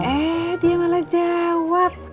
eh dia malah jawab